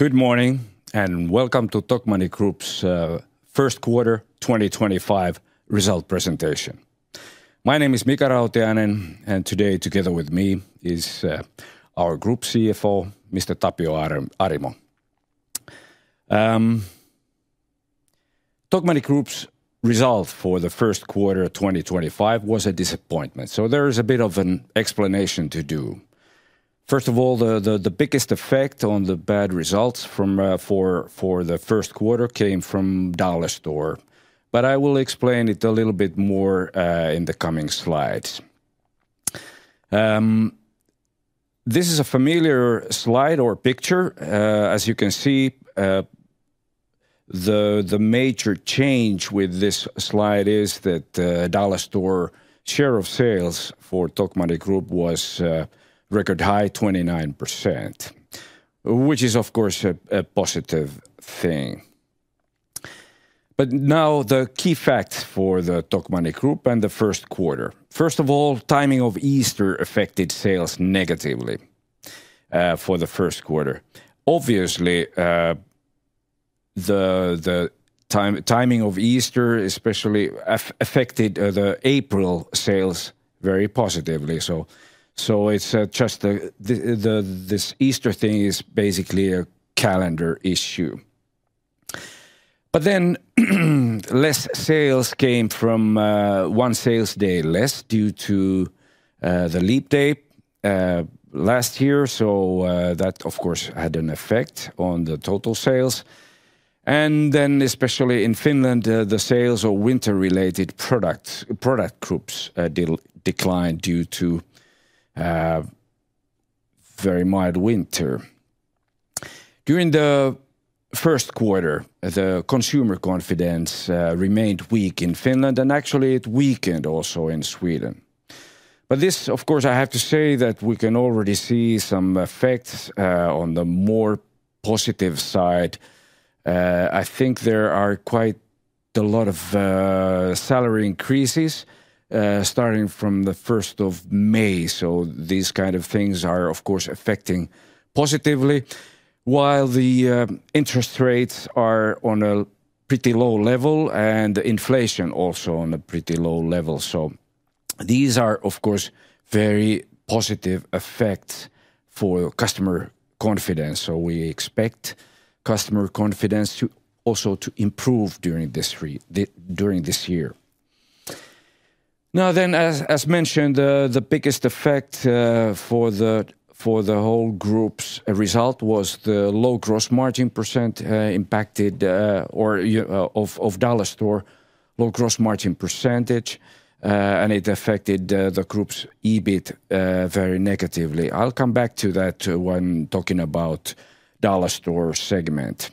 Good morning and welcome to Tokmanni Group's first quarter 2025 result presentation. My name is Mika Rautiainen, and today together with me is our Group CFO, Mr. Tapio Arimo. Tokmanni Group's result for the first quarter 2025 was a disappointment, so there is a bit of an explanation to do. First of all, the biggest effect on the bad results for the first quarter came from the Dollarstore, but I will explain it a little bit more in the coming slides. This is a familiar slide or picture. As you can see, the major change with this slide is that the Dollarstore share of sales for Tokmanni Group was record high, 29%, which is, of course, a positive thing. Now the key facts for the Tokmanni Group and the first quarter. First of all, timing of Easter affected sales negatively for the first quarter. Obviously, the timing of Easter especially affected the April sales very positively. It's just this Easter thing is basically a calendar issue. Less sales came from one sales day less due to the leap day last year, so that, of course, had an effect on the total sales. Especially in Finland, the sales of winter-related product groups declined due to very mild winter. During the first quarter, the consumer confidence remained weak in Finland, and actually it weakened also in Sweden. This, of course, I have to say that we can already see some effects on the more positive side. I think there are quite a lot of salary increases starting from the 1st of May, so these kind of things are, of course, affecting positively, while the interest rates are on a pretty low level and inflation also on a pretty low level. These are, of course, very positive effects for customer confidence. We expect customer confidence also to improve during this year. Now then, as mentioned, the biggest effect for the whole group's result was the low gross margin perecent impacted of Dollarstore low gross margin percentage, and it affected the group's EBIT very negatively. I'll come back to that when talking about the Dollarstore segment.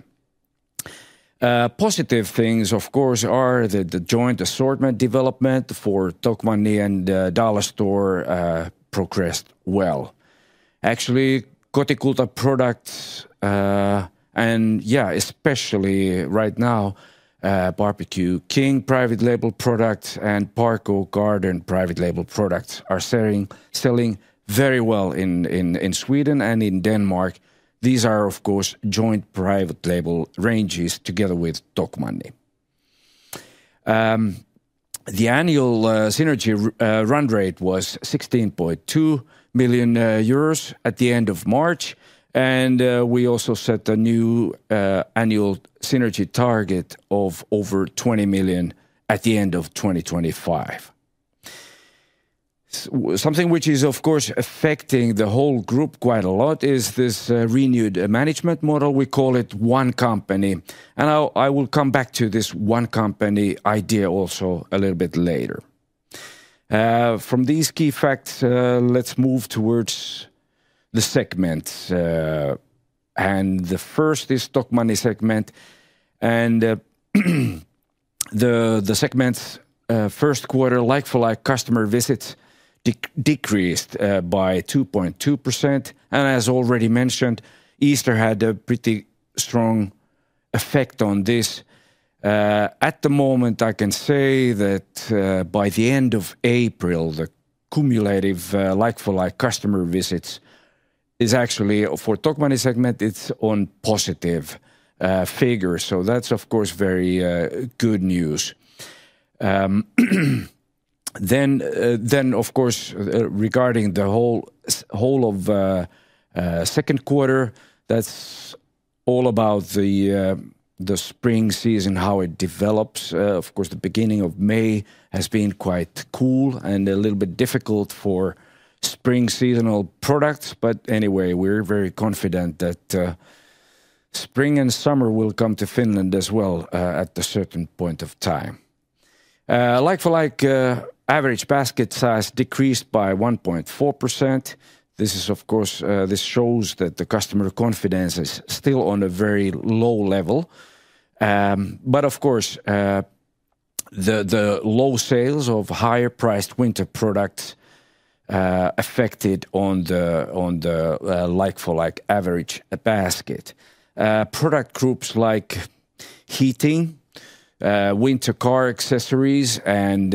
Positive things, of course, are that the joint assortment development for Tokmanni and the Dollarstore progressed well. Actually, Kotikulta products, and yeah, especially right now, Barbeque King private label products and Parco Garden private label products are selling very well in Sweden and in Denmark. These are, of course, joint private label ranges together with Tokmanni. The annual synergy run rate was 16.2 million euros at the end of March, and we also set a new annual synergy target of over 20 million at the end of 2025. Something which is, of course, affecting the whole group quite a lot is this renewed management model. We call it one company. I will come back to this one company idea also a little bit later. From these key facts, let's move towards the segments. The first is the Tokmanni segment. The segment's first quarter like-for-like customer visits decreased by 2.2%. As already mentioned, Easter had a pretty strong effect on this. At the moment, I can say that by the end of April, the cumulative like-for-like customer visits is actually for Tokmanni segment, it's on positive figures. That's, of course, very good news. Of course, regarding the whole of second quarter, that's all about the spring season, how it develops. Of course, the beginning of May has been quite cool and a little bit difficult for spring seasonal products. Anyway, we're very confident that spring and summer will come to Finland as well at a certain point of time. Like-for-like average basket size decreased by 1.4%. This, of course, shows that the customer confidence is still on a very low level. Of course, the low sales of higher priced winter products affected the like-for-like average basket. Product groups like heating, winter car accessories, and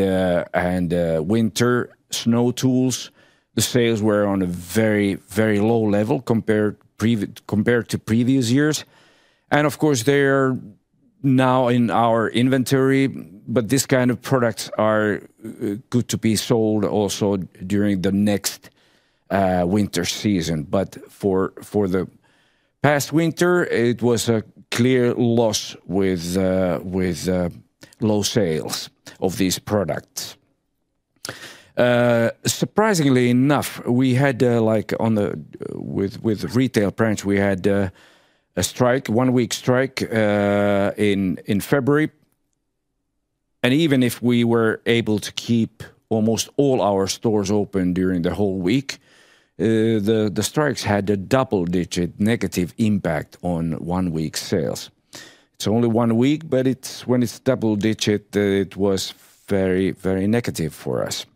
winter snow tools, the sales were on a very, very low level compared to previous years. They are now in our inventory, but this kind of products are good to be sold also during the next winter season. For the past winter, it was a clear loss with low sales of these products. Surprisingly enough, we had, like with retail branch, we had a strike, one week strike in February. Even if we were able to keep almost all our stores open during the whole week, the strikes had a double-digit negative impact on one week sales. It is only one week, but when it is double-digit, it was very, very negative for us.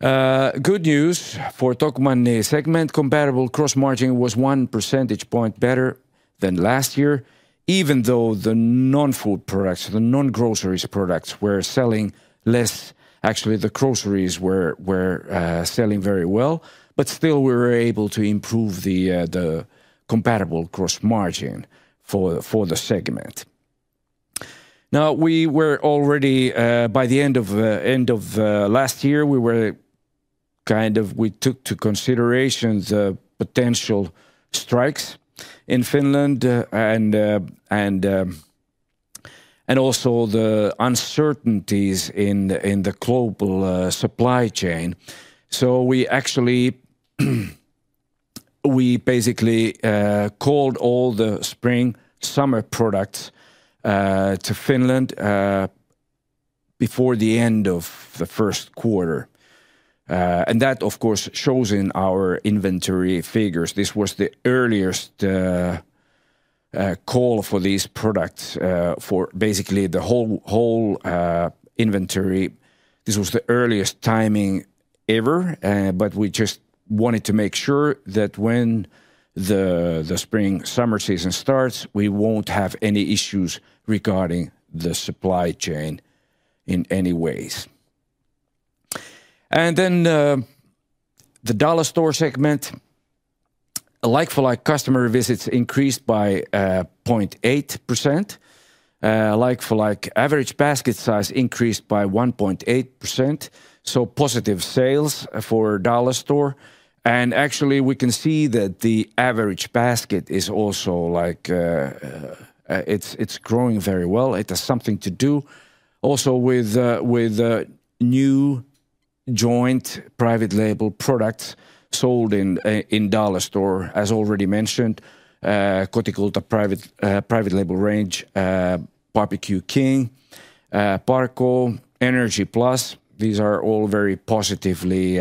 Good news for Tokmanni segment, comparable gross margin was one percentage point better than last year, even though the non-food products, the non-groceries products were selling less. Actually, the groceries were selling very well, but still we were able to improve the comparable gross margin for the segment. Now, we were already by the end of last year, we were kind of we took to consideration the potential strikes in Finland and also the uncertainties in the global supply chain. We actually we basically called all the spring summer products to Finland before the end of the first quarter. That, of course, shows in our inventory figures. This was the earliest call for these products for basically the whole inventory. This was the earliest timing ever, but we just wanted to make sure that when the spring summer season starts, we won't have any issues regarding the supply chain in any ways. The Dollarstore segment, like-for-like customer visits increased by 0.8%. Like-for-like average basket size increased by 1.8%. Positive sales for Dollarstore. Actually, we can see that the average basket is also like it's growing very well. It has something to do also with new joint private label products sold in Dollarstore, as already mentioned, Kotikulta private label range, Barbecue King, Parco Garden, Energy Plus. These are all very positively.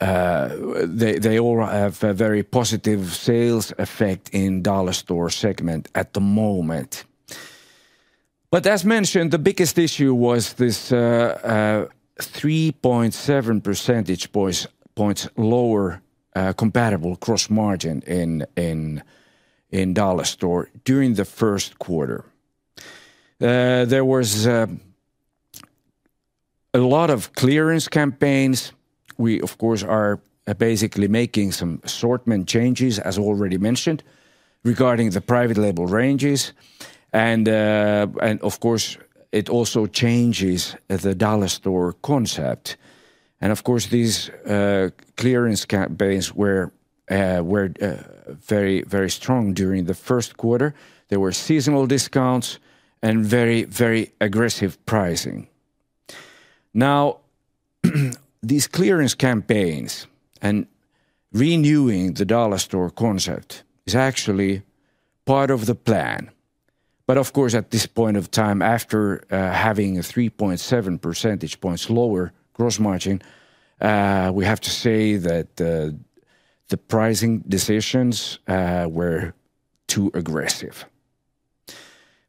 They all have a very positive sales effect in Dollarstore segment at the moment. As mentioned, the biggest issue was this 3.7 percentage points lower comparable gross margin in Dollarstore during the first quarter. There was a lot of clearance campaigns. We, of course, are basically making some assortment changes, as already mentioned, regarding the private label ranges. Of course, it also changes the Dollarstore concept. Of course, these clearance campaigns were very, very strong during the first quarter. There were seasonal discounts and very, very aggressive pricing. Now, these clearance campaigns and renewing the Dollarstore concept is actually part of the plan. Of course, at this point of time, after having 3.7 percentage points lower gross margin, we have to say that the pricing decisions were too aggressive.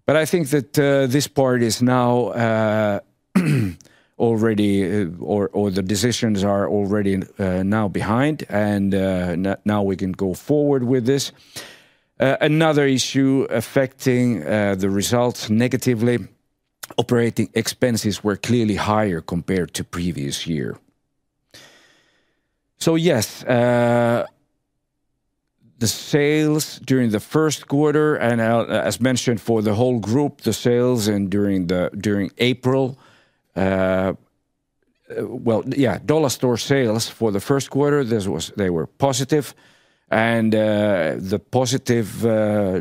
I think that this part is now already, or the decisions are already now behind, and now we can go forward with this. Another issue affecting the results negatively, operating expenses were clearly higher compared to previous year. Yes, the sales during the first quarter, and as mentioned for the whole group, the sales during April, Dollarstore sales for the first quarter, they were positive. The positive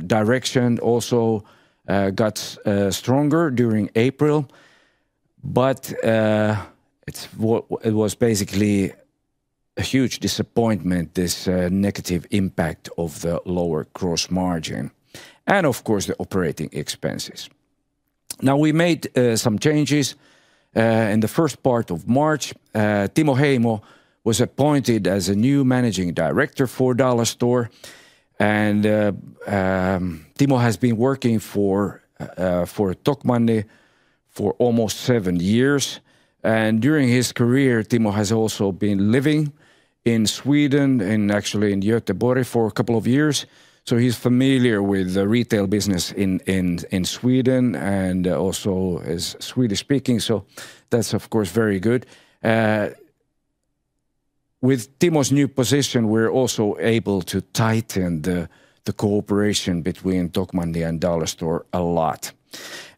direction also got stronger during April. It was basically a huge disappointment, this negative impact of the lower gross margin. Of course, the operating expenses. We made some changes in the first part of March. Timo Heimo was appointed as a new Managing Director for Dollarstore. Timo has been working for Tokmanni for almost seven years. During his career, Timo has also been living in Sweden, and actually in Göteborg for a couple of years. He is familiar with the retail business in Sweden and also is Swedish-speaking. That is, of course, very good. With Timo's new position, we are also able to tighten the cooperation between Tokmanni and Dollarstore a lot.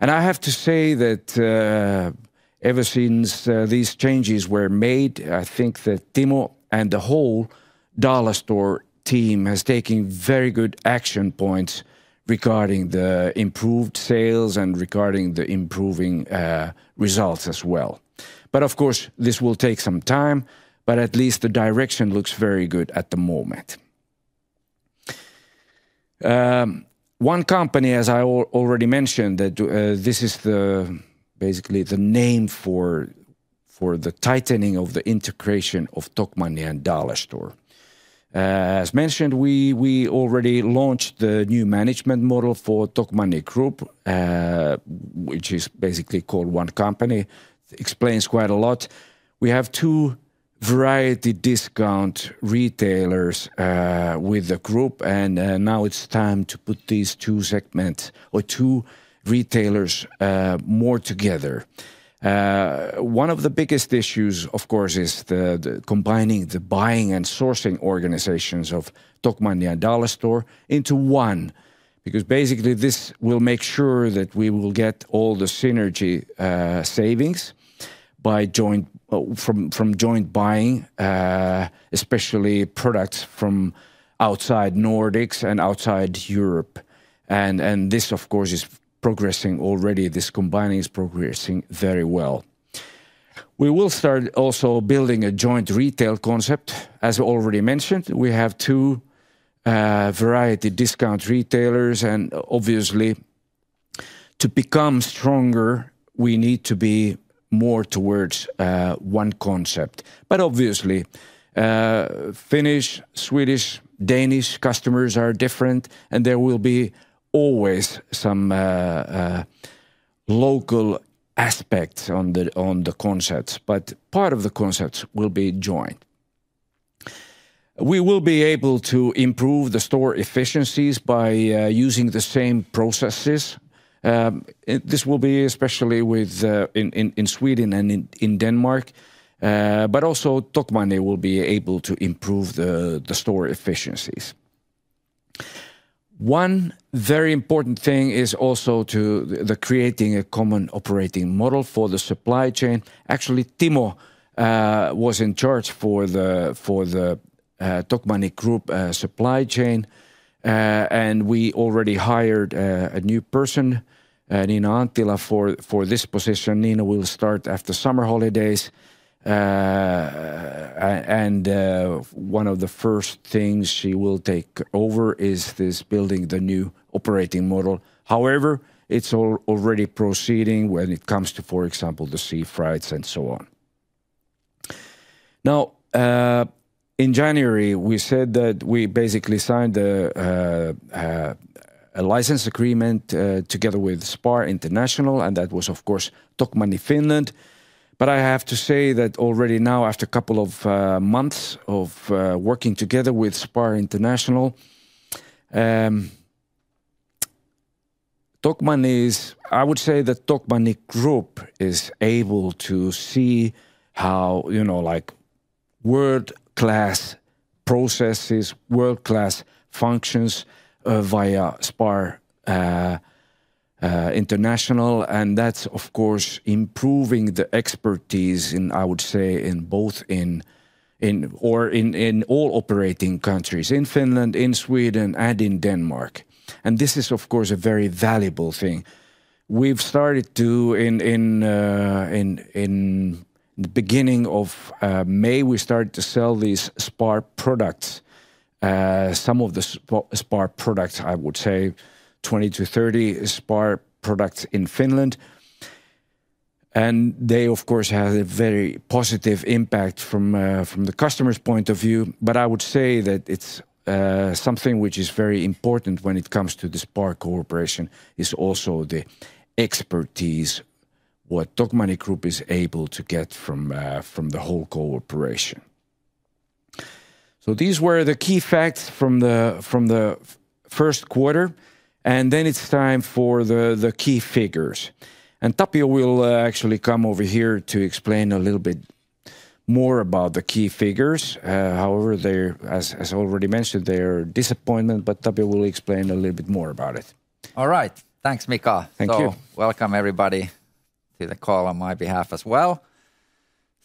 I have to say that ever since these changes were made, I think that Timo and the whole Dollarstore team has taken very good action points regarding the improved sales and regarding the improving results as well. Of course, this will take some time, but at least the direction looks very good at the moment. One company, as I already mentioned, that this is basically the name for the tightening of the integration of Tokmanni and Dollarstore. As mentioned, we already launched the new management model for Tokmanni Group, which is basically called one company. It explains quite a lot. We have two variety discount retailers with the group, and now it's time to put these two segments or two retailers more together. One of the biggest issues, of course, is combining the buying and sourcing organizations of Tokmanni and Dollarstore into one, because basically this will make sure that we will get all the synergy savings from joint buying, especially products from outside Nordics and outside Europe. This, of course, is progressing already. This combining is progressing very well. We will start also building a joint retail concept. As already mentioned, we have two variety discount retailers. Obviously, to become stronger, we need to be more towards one concept. Obviously, Finnish, Swedish, Danish customers are different, and there will always be some local aspects on the concepts, but part of the concepts will be joint. We will be able to improve the store efficiencies by using the same processes. This will be especially within Sweden and in Denmark, but also Tokmanni will be able to improve the store efficiencies. One very important thing is also creating a common operating model for the supply chain. Actually, Timo was in charge of the Tokmanni Group supply chain, and we already hired a new person, Nina Anttila, for this position. Nina will start after summer holidays. One of the first things she will take over is building the new operating model. However, it's already proceeding when it comes to, for example, the sea freights and so on. Now, in January, we said that we basically signed a license agreement together with SPAR International, and that was, of course, Tokmanni Finland. I have to say that already now, after a couple of months of working together with SPAR International, Tokmanni is, I would say that Tokmanni Group is able to see how, you know, like world-class processes, world-class functions via SPAR International. That's, of course, improving the expertise in, I would say, in both in or in all operating countries, in Finland, in Sweden, and in Denmark. This is, of course, a very valuable thing. We've started to, in the beginning of May, we started to sell these SPAR products, some of the SPAR products, I would say, 20-30 SPAR products in Finland. They, of course, have a very positive impact from the customer's point of view. I would say that it's something which is very important when it comes to the SPAR cooperation, also the expertise that Tokmanni Group is able to get from the whole cooperation. These were the key facts from the first quarter. It is time for the key figures. Tapio will actually come over here to explain a little bit more about the key figures. However, as already mentioned, they are a disappointment, but Tapio will explain a little bit more about it. All right. Thanks, Mika. Thank you. Welcome, everybody, to the call on my behalf as well.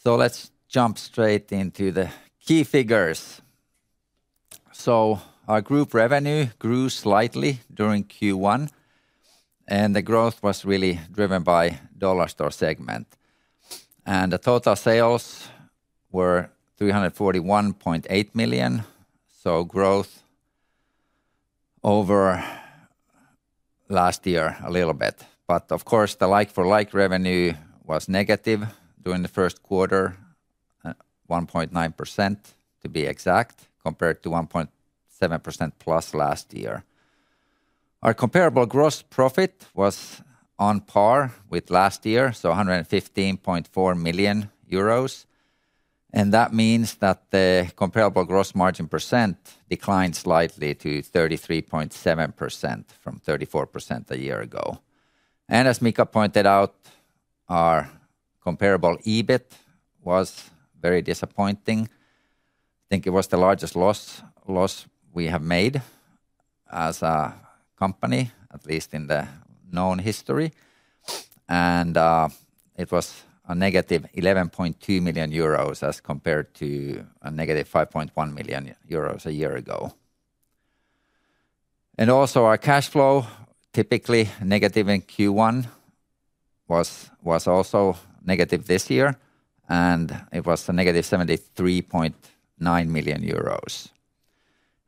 Let's jump straight into the key figures. Our group revenue grew slightly during Q1, and the growth was really driven by the Dollarstore segment. The total sales were 341.8 million. Growth over last year a little bit. Of course, the like-for-like revenue was negative during the first quarter, 1.9% to be exact, compared to 1.7%+ last year. Our comparable gross profit was on par with last year, so 115.4 million euros. That means that the comparable gross margin percent declined slightly to 33.7% from 34% a year ago. As Mika pointed out, our comparable EBIT was very disappointing. I think it was the largest loss we have made as a company, at least in the known history. It was a -11.2 million euros as compared to a -5.1 million euros a year ago. Also our cash flow, typically negative in Q1, was also negative this year, and it was a -73.9 million euros.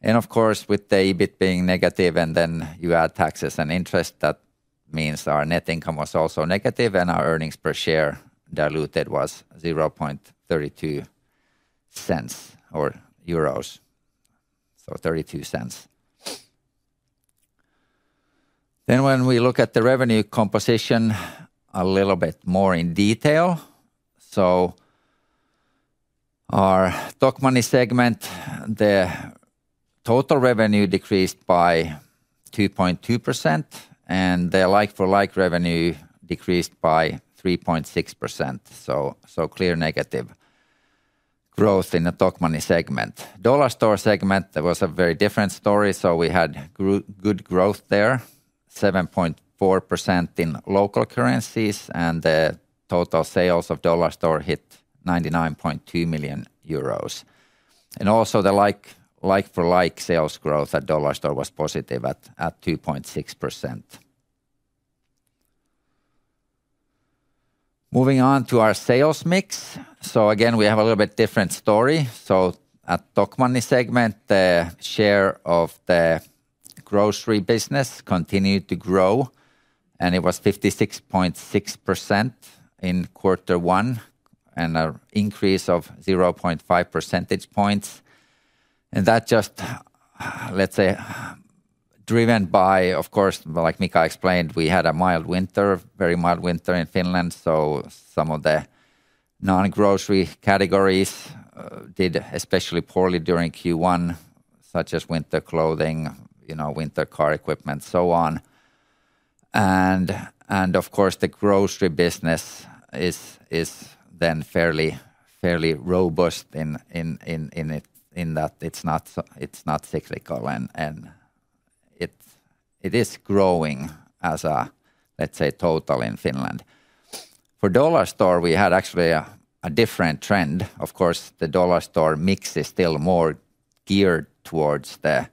Of course, with the EBIT being negative and then you add taxes and interest, that means our net income was also negative and our earnings per share diluted was 0.32, so 32 cents. When we look at the revenue composition a little bit more in detail, our Tokmanni segment, the total revenue decreased by 2.2% and the like-for-like revenue decreased by 3.6%. Clear negative growth in the Tokmanni segment. Dollarstore segment, there was a very different story. We had good growth there, 7.4% in local currencies, and the total sales of Dollarstore hit 99.2 million euros. Also, the like-for-like sales growth at Dollarstore was positive at 2.6%. Moving on to our sales mix. Again, we have a little bit different story. At Tokmanni segment, the share of the grocery business continued to grow, and it was 56.6% in quarter one and an increase of 0.5 percentage points. That just, let's say, driven by, of course, like Mika explained, we had a mild winter, very mild winter in Finland. Some of the non-grocery categories did especially poorly during Q1, such as winter clothing, winter car equipment, so on. Of course, the grocery business is then fairly robust in that it's not cyclical and it is growing as a, let's say, total in Finland. For Dollarstore, we had actually a different trend. Of course, the Dollarstore mix is still more geared towards the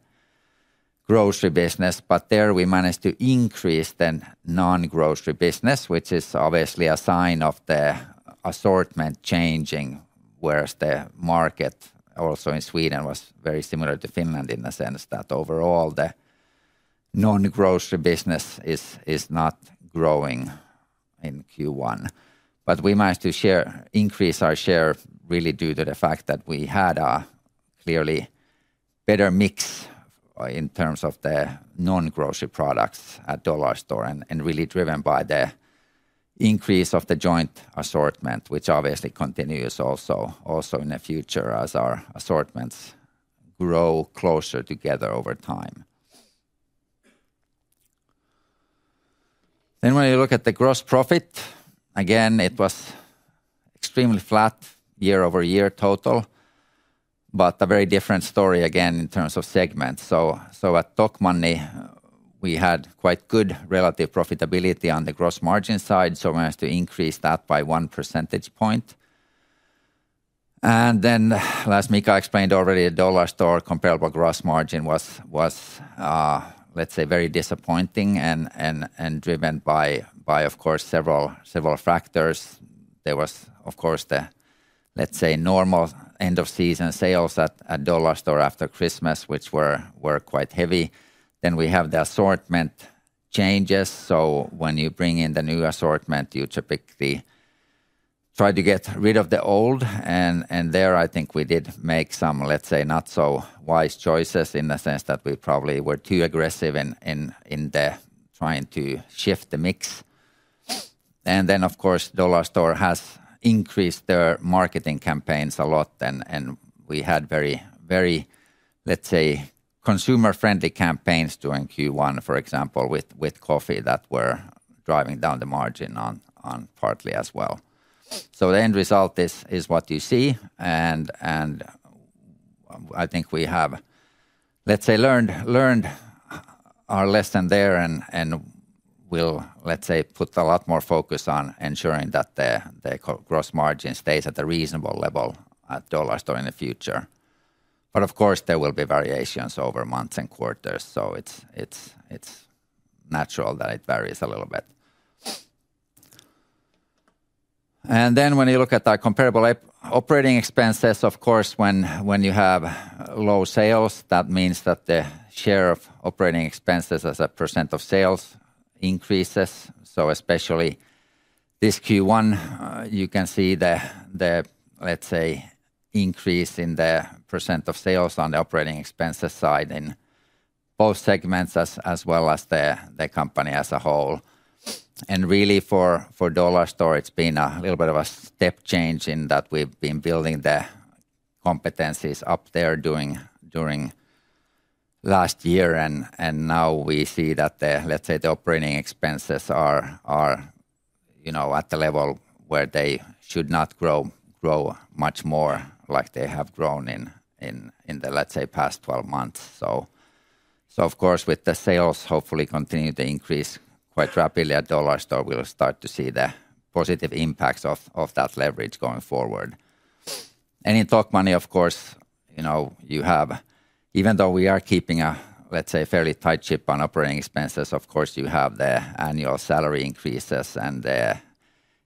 grocery business, but there we managed to increase the non-grocery business, which is obviously a sign of the assortment changing, whereas the market also in Sweden was very similar to Finland in the sense that overall the non-grocery business is not growing in Q1. We managed to increase our share really due to the fact that we had a clearly better mix in terms of the non-grocery products at Dollarstore and really driven by the increase of the joint assortment, which obviously continues also in the future as our assortments grow closer together over time. When you look at the gross profit, again, it was extremely flat year-over-year total, but a very different story again in terms of segments. At Tokmanni, we had quite good relative profitability on the gross margin side, so we managed to increase that by one percentage point. As Mika explained already, the Dollarstore comparable gross margin was, let's say, very disappointing and driven by, of course, several factors. There was, of course, the, let's say, normal end of season sales at Dollarstore after Christmas, which were quite heavy. We have the assortment changes. When you bring in the new assortment, you typically try to get rid of the old. There I think we did make some, let's say, not so wise choices in the sense that we probably were too aggressive in trying to shift the mix. Of course, Dollarstore has increased their marketing campaigns a lot, and we had very, let's say, consumer-friendly campaigns during Q1, for example, with coffee that were driving down the margin partly as well. The end result is what you see. I think we have, let's say, learned our lesson there and will, let's say, put a lot more focus on ensuring that the gross margin stays at a reasonable level at Dollarstore in the future. Of course, there will be variations over months and quarters, so it's natural that it varies a little bit. When you look at our comparable operating expenses, of course, when you have low sales, that means that the share of operating expenses as a percent of sales increases. Especially this Q1, you can see the, let's say, increase in the percent of sales on the operating expenses side in both segments as well as the company as a whole. Really for Dollarstore, it's been a little bit of a step change in that we've been building the competencies up there during last year. Now we see that the, let's say, the operating expenses are at the level where they should not grow much more like they have grown in the, let's say, past 12 months. Of course, with the sales hopefully continue to increase quite rapidly, Dollarstore will start to see the positive impacts of that leverage going forward. In Tokmanni, of course, you have, even though we are keeping a, let's say, fairly tight ship on operating expenses, of course, you have the annual salary increases and the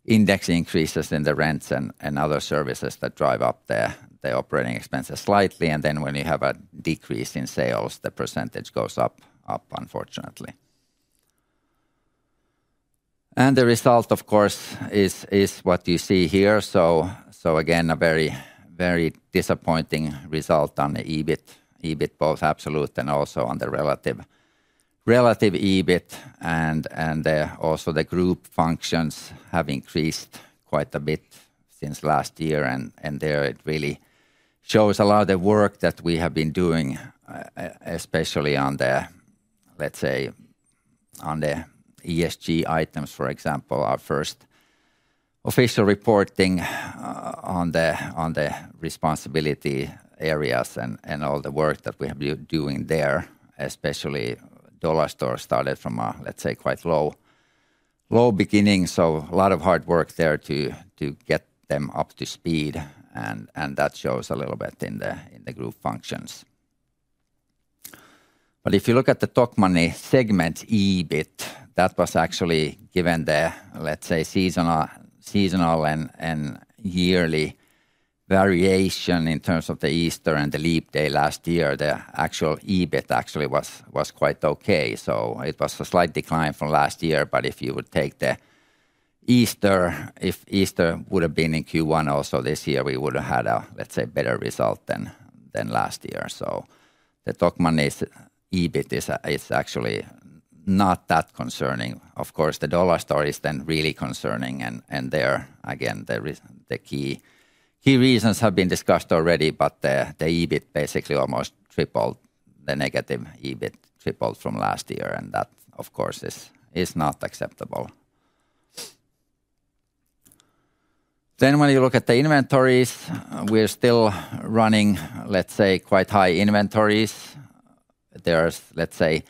index increases in the rents and other services that drive up the operating expenses slightly. When you have a decrease in sales, the percentage goes up, unfortunately. The result, of course, is what you see here. Again, a very disappointing result on the EBIT, both absolute and also on the relative EBIT. Also, the group functions have increased quite a bit since last year. There it really shows a lot of the work that we have been doing, especially on the, let's say, on the ESG items, for example, our first official reporting on the responsibility areas and all the work that we have been doing there, especially Dollarstore started from a, let's say, quite low beginning. A lot of hard work there to get them up to speed. That shows a little bit in the group functions. If you look at the Tokmanni segment EBIT, that was actually given the, let's say, seasonal and yearly variation in terms of the Easter and the leap day last year, the actual EBIT actually was quite okay. It was a slight decline from last year. If you would take the Easter, if Easter would have been in Q1 also this year, we would have had a, let's say, better result than last year. The Tokmanni EBIT is actually not that concerning. Of course, the Dollarstore is then really concerning. There, again, the key reasons have been discussed already, but the EBIT basically almost tripled, the negative EBIT tripled from last year. That, of course, is not acceptable. When you look at the inventories, we're still running, let's say, quite high inventories. There's, let's say,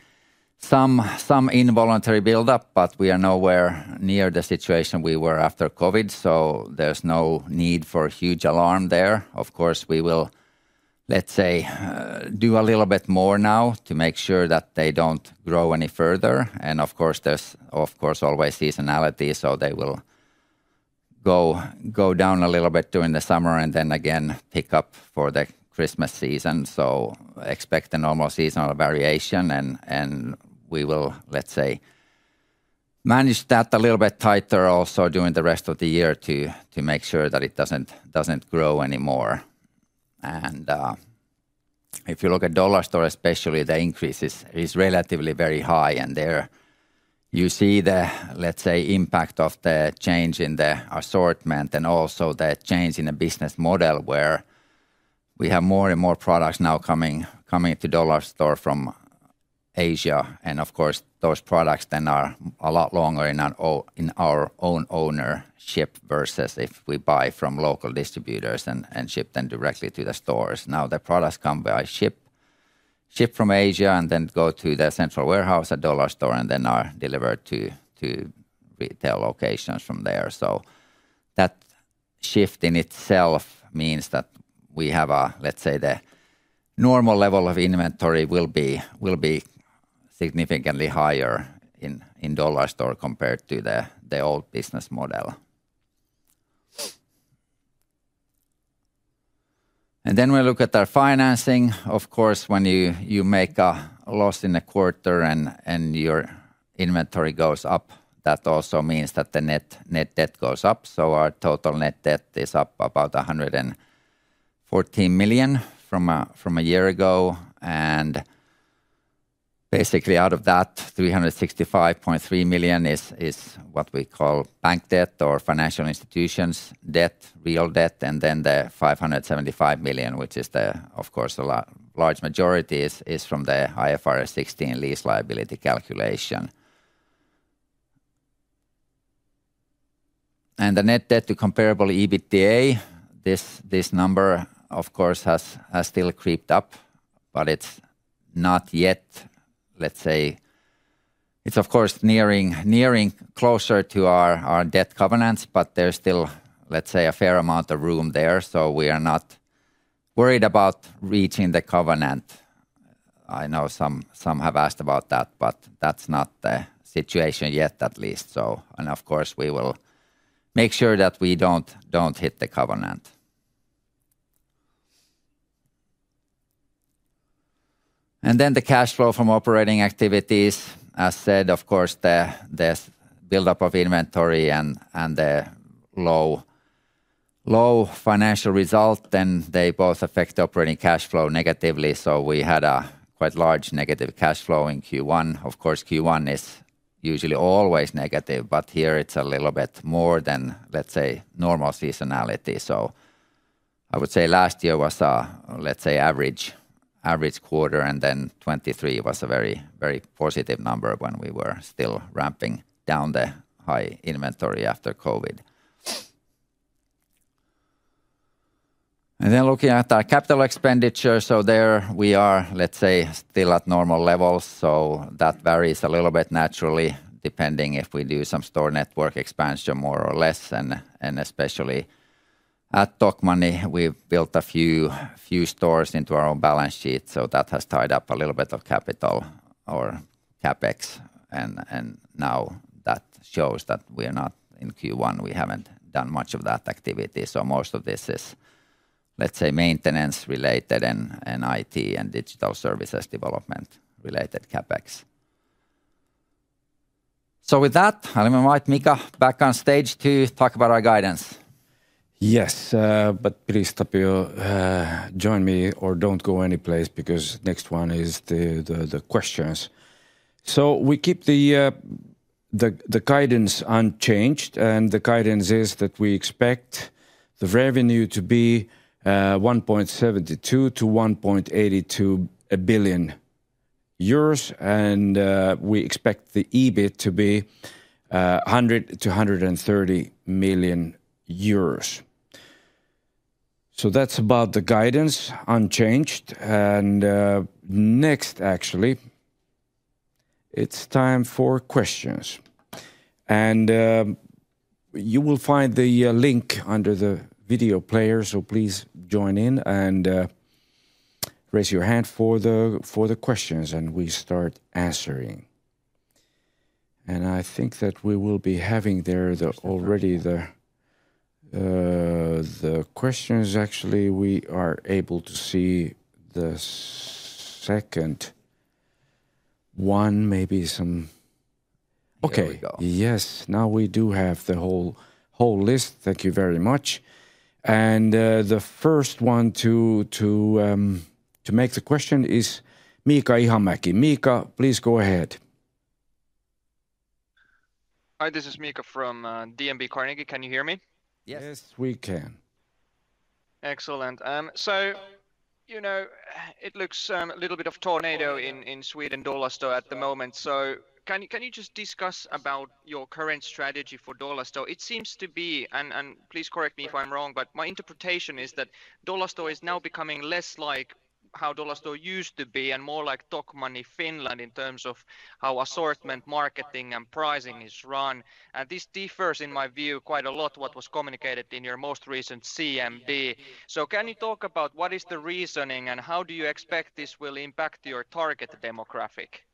some involuntary buildup, but we are nowhere near the situation we were after COVID. There's no need for huge alarm there. Of course, we will, let's say, do a little bit more now to make sure that they don't grow any further. Of course, there's always seasonality, so they will go down a little bit during the summer and then again pick up for the Christmas season. Expect a normal seasonal variation. We will, let's say, manage that a little bit tighter also during the rest of the year to make sure that it doesn't grow anymore. If you look at Dollarstore, especially the increase is relatively very high. There you see the, let's say, impact of the change in the assortment and also the change in the business model where we have more and more products now coming to Dollarstore from Asia. Of course, those products then are a lot longer in our own ownership versus if we buy from local distributors and ship them directly to the stores. Now the products come by ship from Asia and then go to the central warehouse at Dollarstore and then are delivered to retail locations from there. That shift in itself means that we have a, let's say, the normal level of inventory will be significantly higher in Dollarstore compared to the old business model. We look at our financing. Of course, when you make a loss in a quarter and your inventory goes up, that also means that the net debt goes up. Our total net debt is up about 114 million from a year ago. Basically out of that, 365.3 million is what we call bank debt or financial institutions debt, real debt. The 575 million, which is, of course, a large majority, is from the IFRS 16 lease liability calculation. The net debt to comparable EBITDA, this number, of course, has still creeped up, but it is not yet, let's say, it is of course nearing closer to our debt covenants, but there is still, let's say, a fair amount of room there. We are not worried about reaching the covenant. I know some have asked about that, but that is not the situation yet, at least. We will make sure that we do not hit the covenant. The cash flow from operating activities, as said, of course, the buildup of inventory and the low financial result, they both affect the operating cash flow negatively. We had a quite large negative cash flow in Q1. Q1 is usually always negative, but here it is a little bit more than, let's say, normal seasonality. I would say last year was a, let's say, average quarter, and then 2023 was a very positive number when we were still ramping down the high inventory after COVID. Looking at our capital expenditure, we are, let's say, still at normal levels. That varies a little bit naturally depending if we do some store network expansion more or less. Especially at Tokmanni, we've built a few stores into our own balance sheet. That has tied up a little bit of capital or CapEx. Now that shows that we are not in Q1, we haven't done much of that activity. Most of this is, let's say, maintenance related and IT and digital services development related CapEx. With that, I'll invite Mika back on stage to talk about our guidance. Yes, but please join me or do not go anyplace because next one is the questions. We keep the guidance unchanged. The guidance is that we expect the revenue to be 1.72 billion-1.82 billion euros. We expect the EBIT to be 100 million-130 million euros. That is about the guidance unchanged. Next, actually, it is time for questions. You will find the link under the video player. Please join in and raise your hand for the questions, and we start answering. I think that we will be having there already the questions. Actually, we are able to see the second one, maybe some. Okay, yes, now we do have the whole list. Thank you very much. The first one to make the question is Miika Ihamäki. Mika, please go ahead. Hi, this is Miika from DNB Carnegie. Can you hear me? Yes, we can. Excellent. You know, it looks a little bit of a tornado in Sweden Dollarstore at the moment. Can you just discuss your current strategy for Dollarstore? It seems to be, and please correct me if I'm wrong, but my interpretation is that Dollarstore is now becoming less like how Dollarstore used to be and more like Tokmanni Finland in terms of how assortment, marketing, and pricing is run. This differs in my view quite a lot from what was communicated in your most recent CMB. Can you talk about what is the reasoning and how do you expect this will impact your target demographic?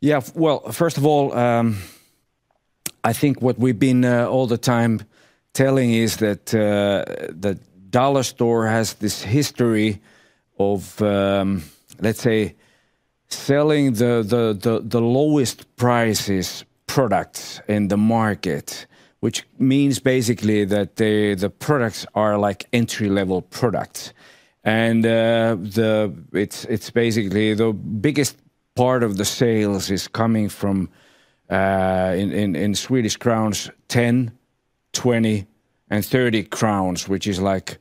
Yeah, first of all, I think what we've been all the time telling is that Dollarstore has this history of, let's say, selling the lowest prices products in the market, which means basically that the products are like entry-level products. It's basically the biggest part of the sales is coming from, in Swedish krona, SEK 10, 20, and 30 krona, which is like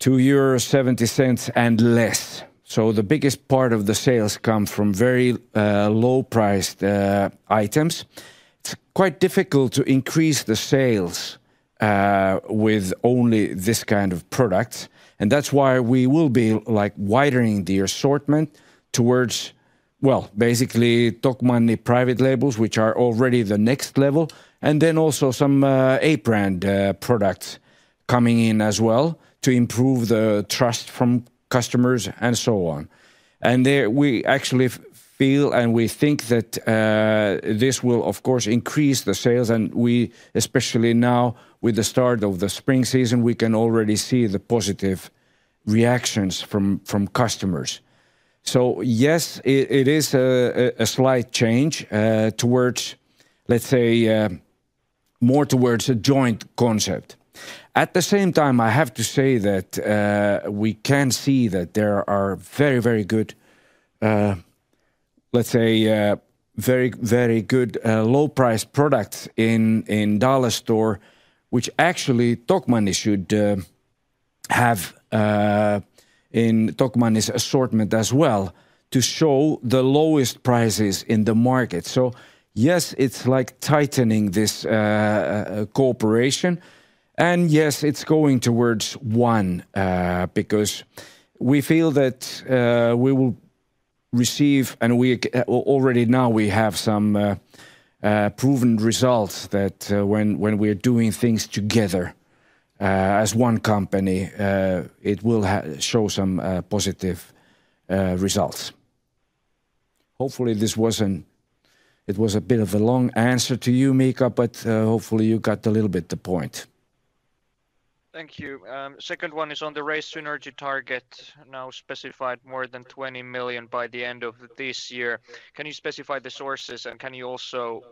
2.70 euros and less. The biggest part of the sales comes from very low-priced items. It's quite difficult to increase the sales with only this kind of product. That's why we will be widening the assortment towards, basically, Tokmanni private labels, which are already the next level, and then also some A-brand products coming in as well to improve the trust from customers and so on. We actually feel and we think that this will, of course, increase the sales. We, especially now with the start of the spring season, can already see the positive reactions from customers. Yes, it is a slight change towards, let's say, more towards a joint concept. At the same time, I have to say that we can see that there are very, very good, let's say, very, very good low-priced products in Dollarstore, which actually Tokmanni should have in Tokmanni's assortment as well to show the lowest prices in the market. Yes, it's like tightening this cooperation. Yes, it's going towards one because we feel that we will receive, and we already now have some proven results that when we are doing things together as one company, it will show some positive results. Hopefully, this was a bit of a long answer to you, Miika, but hopefully you got a little bit of the point. Thank you. Second one is on the raised synergy target now specified more than 20 million by the end of this year. Can you specify the sources and can you also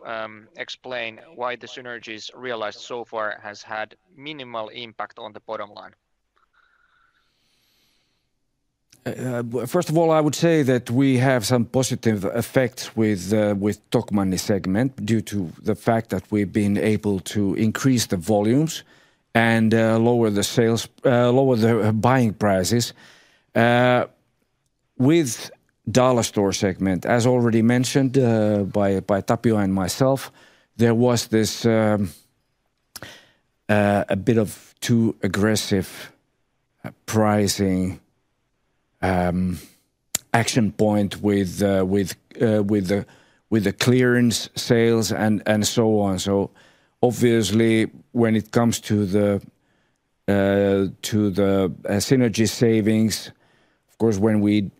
explain why the synergies realized so far have had minimal impact on the bottom line? First of all, I would say that we have some positive effects with Tokmanni segment due to the fact that we've been able to increase the volumes and lower the buying prices with Dollarstore segment. As already mentioned by Tapio and myself, there was this a bit of too aggressive pricing action point with the clearance sales and so on. Obviously, when it comes to the synergy savings, of course, when we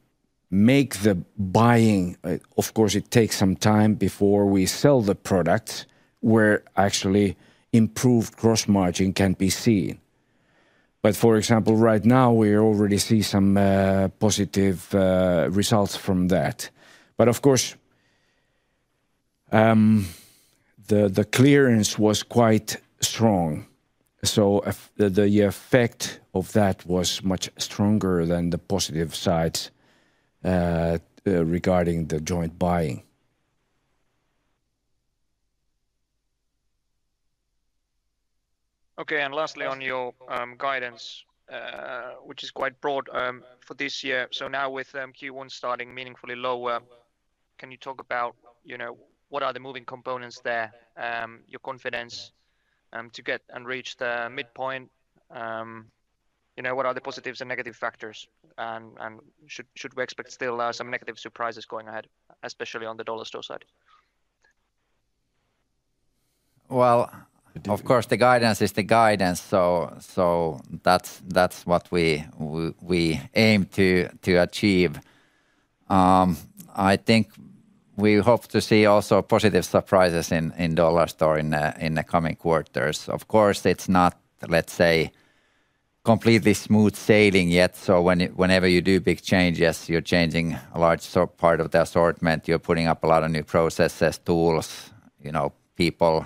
make the buying, it takes some time before we sell the products where actually improved gross margin can be seen. For example, right now we already see some positive results from that. Of course, the clearance was quite strong. The effect of that was much stronger than the positive sides regarding the joint buying. Okay, and lastly on your guidance, which is quite broad for this year. Now with Q1 starting meaningfully lower, can you talk about what are the moving components there, your confidence to get and reach the midpoint? What are the positives and negative factors? Should we expect still some negative surprises going ahead, especially on the Dollarstore side? The guidance is the guidance. That is what we aim to achieve. I think we hope to see also positive surprises in Dollarstore in the coming quarters. Of course, it is not, let's say, completely smooth sailing yet. Whenever you do big changes, you are changing a large part of the assortment. You are putting up a lot of new processes, tools, people.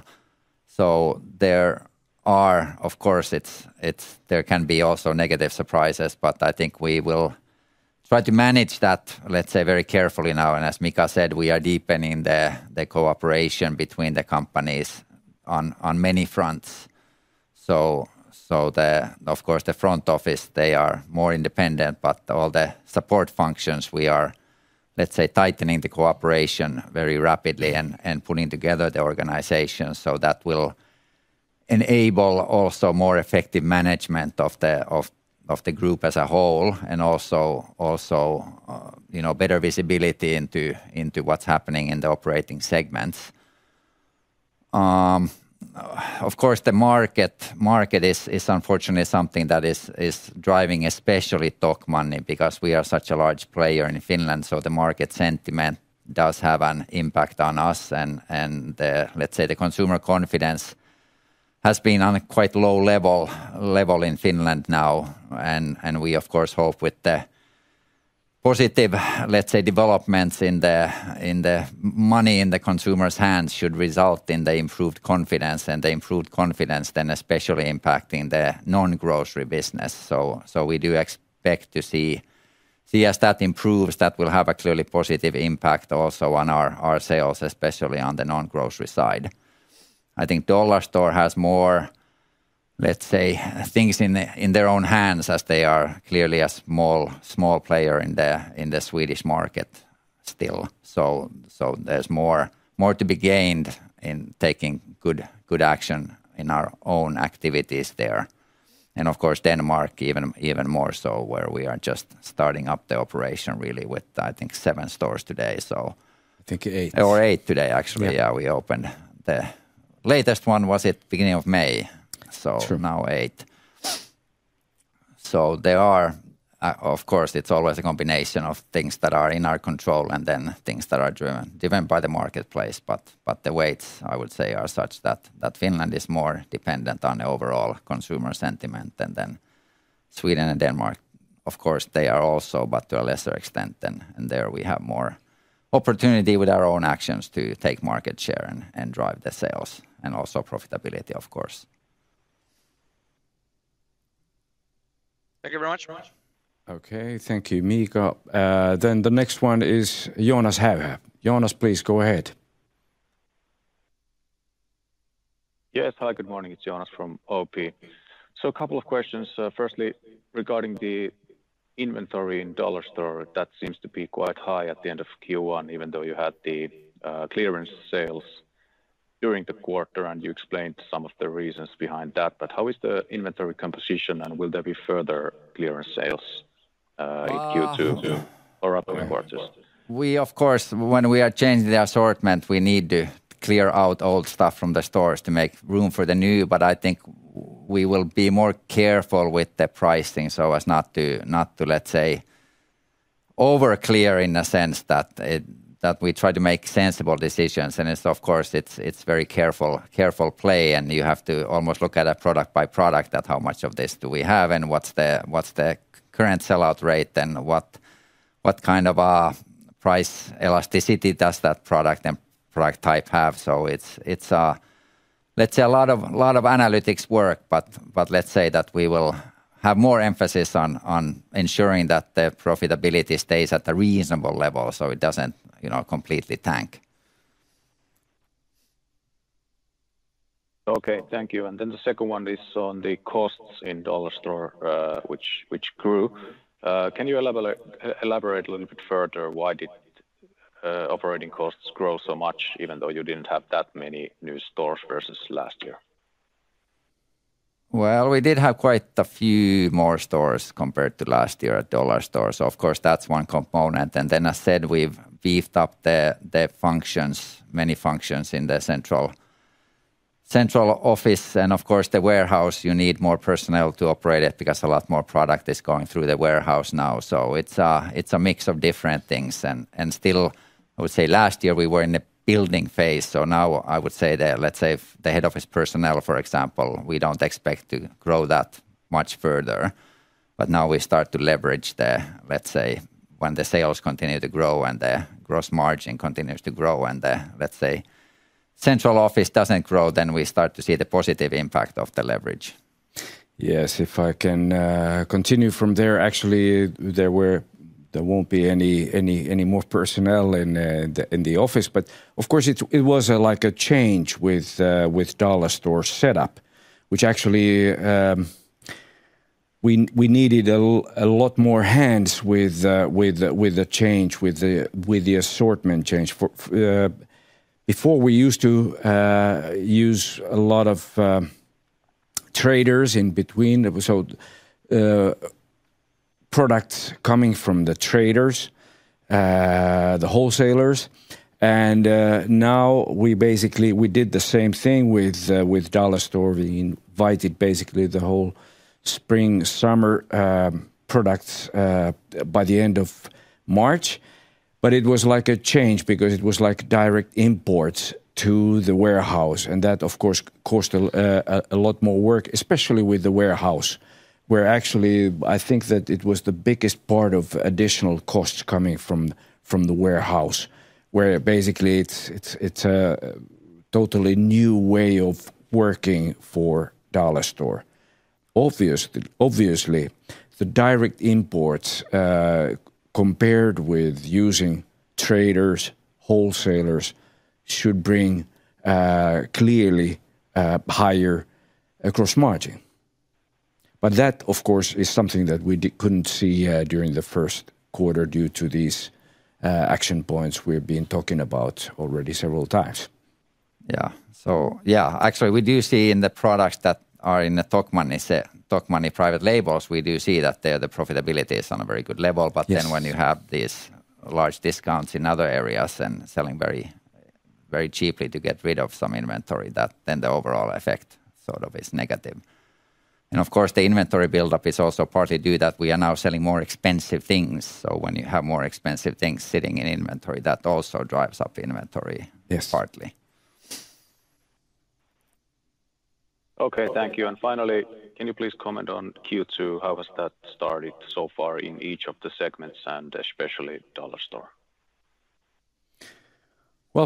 There are, of course, there can be also negative surprises, but I think we will try to manage that, let's say, very carefully now. As Mika said, we are deepening the cooperation between the companies on many fronts. Of course, the front office, they are more independent, but all the support functions, we are, let's say, tightening the cooperation very rapidly and putting together the organization so that will enable also more effective management of the group as a whole and also better visibility into what is happening in the operating segments. Of course, the market is unfortunately something that is driving especially Tokmanni because we are such a large player in Finland. The market sentiment does have an impact on us. Let's say the consumer confidence has been on quite low level in Finland now. We, of course, hope with the positive, let's say, developments in the money in the consumer's hands should result in the improved confidence. The improved confidence then especially impacting the non-grocery business. We do expect to see as that improves, that will have a clearly positive impact also on our sales, especially on the non-grocery side. I think Dollarstore has more, let's say, things in their own hands as they are clearly a small player in the Swedish market still. There is more to be gained in taking good action in our own activities there. Of course, Denmark even more so where we are just starting up the operation really with, I think, seven stores today. I think eight. Or eight today, actually. Yeah, we opened the latest one at the beginning of May. Now eight. There are, of course, it's always a combination of things that are in our control and then things that are driven by the marketplace. The weights, I would say, are such that Finland is more dependent on the overall consumer sentiment. Sweden and Denmark, of course, they are also, but to a lesser extent. There we have more opportunity with our own actions to take market share and drive the sales and also profitability, of course. Thank you very much. Thank you, Miika. The next one is Joonas Häyhä. Joonas, please go ahead. Yes, hi, good morning. It's Joonas from OP. So a couple of questions. Firstly, regarding the inventory in Dollarstore, that seems to be quite high at the end of Q1, even though you had the clearance sales during the quarter and you explained some of the reasons behind that. But how is the inventory composition and will there be further clearance sales in Q2 or upcoming quarters? We, of course, when we are changing the assortment, we need to clear out old stuff from the stores to make room for the new. But I think we will be more careful with the pricing so as not to, let's say, over-clear in the sense that we try to make sensible decisions. And of course, it's very careful play. You have to almost look at a product by product at how much of this do we have and what's the current sellout rate and what kind of price elasticity does that product and product type have. It's, let's say, a lot of analytics work, but let's say that we will have more emphasis on ensuring that the profitability stays at a reasonable level so it doesn't completely tank. Okay, thank you. The second one is on the costs in Dollarstore, which grew. Can you elaborate a little bit further? Why did operating costs grow so much even though you didn't have that many new stores versus last year? We did have quite a few more stores compared to last year at Dollarstore. Of course, that's one component. I said we've beefed up the functions, many functions in the central office. Of course, the warehouse, you need more personnel to operate it because a lot more product is going through the warehouse now. It's a mix of different things. I would say last year we were in the building phase. Now I would say that, let's say, the head office personnel, for example, we don't expect to grow that much further. Now we start to leverage the, let's say, when the sales continue to grow and the gross margin continues to grow and the, let's say, central office doesn't grow, then we start to see the positive impact of the leverage. Yes, if I can continue from there, actually, there won't be any more personnel in the office. Of course, it was like a change with Dollarstore setup, which actually we needed a lot more hands with the change, with the assortment change. Before, we used to use a lot of traders in between. Products coming from the traders, the wholesalers. Now we basically did the same thing with Dollarstore. We invited basically the whole spring, summer products by the end of March. It was like a change because it was like direct imports to the warehouse. That, of course, caused a lot more work, especially with the warehouse, where actually I think that it was the biggest part of additional costs coming from the warehouse, where basically it is a totally new way of working for Dollarstore. Obviously, the direct imports compared with using traders, wholesalers should bring clearly higher gross margin. That, of course, is something that we couldn't see during the first quarter due to these action points we've been talking about already several times. Yeah, so yeah, actually we do see in the products that are in the Tokmanni private labels, we do see that the profitability is on a very good level. When you have these large discounts in other areas and selling very cheaply to get rid of some inventory, the overall effect sort of is negative. Of course, the inventory buildup is also partly due to that we are now selling more expensive things. When you have more expensive things sitting in inventory, that also drives up inventory partly. Okay, thank you. Finally, can you please comment on Q2? How has that started so far in each of the segments and especially Dollarstore?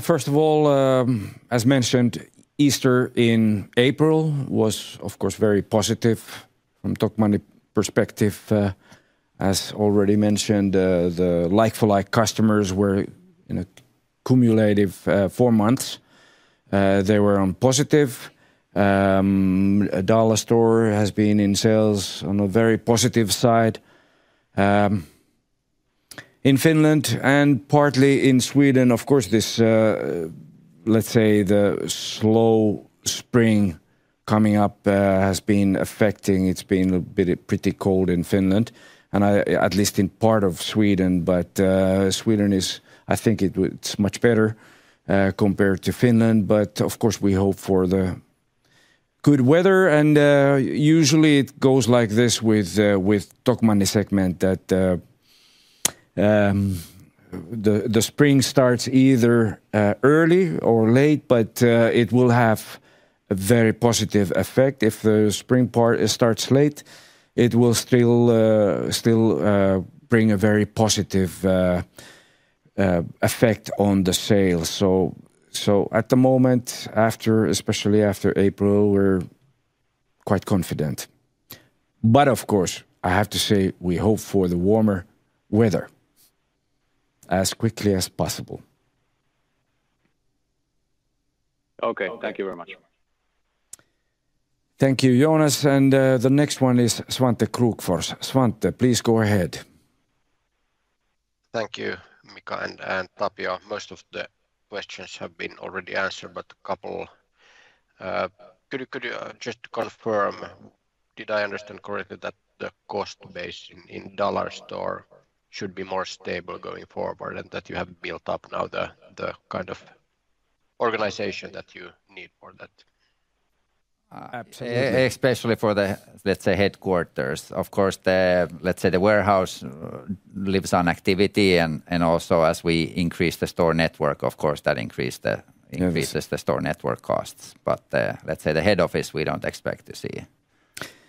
First of all, as mentioned, Easter in April was, of course, very positive from Tokmanni perspective. As already mentioned, the like-for-like customers were in a cumulative four months. They were on positive. Dollarstore has been in sales on a very positive side in Finland and partly in Sweden. Of course, let's say the slow spring coming up has been affecting. It's been pretty cold in Finland, at least in part of Sweden. Sweden is, I think it's much better compared to Finland. Of course, we hope for the good weather. Usually it goes like this with Tokmanni segment that the spring starts either early or late, but it will have a very positive effect. If the spring part starts late, it will still bring a very positive effect on the sales. At the moment, especially after April, we're quite confident. But of course, I have to say we hope for the warmer weather as quickly as possible. Okay, thank you very much. Thank you, Joonas. The next one is Svante Krokfors. Svante, please go ahead. Thank you, Mika and Tapio. Most of the questions have been already answered, but a couple. Could you just confirm, did I understand correctly that the cost base in Dollarstore should be more stable going forward and that you have built up now the kind of organization that you need for that? Absolutely. Especially for the, let's say, headquarters. Of course, let's say the warehouse lives on activity. Also, as we increase the store network, of course, that increases the store network costs. Let's say the head office, we do not expect to see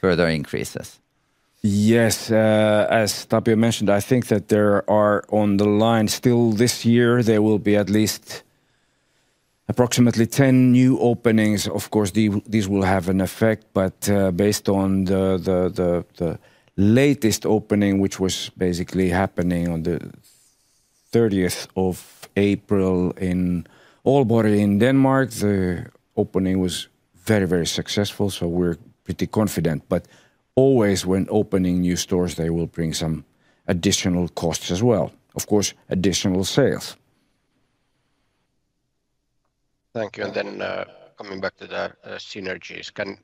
further increases. Yes, as Tapio mentioned, I think that there are on the line still this year, there will be at least approximately 10 new openings. Of course, these will have an effect, but based on the latest opening, which was basically happening on the 30th of April in Aalborg in Denmark, the opening was very, very successful. We are pretty confident. Always when opening new stores, they will bring some additional costs as well. Of course, additional sales. Thank you. Then coming back to the synergies, can